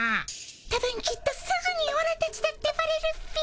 たぶんきっとすぐにオラたちだってバレるっピ。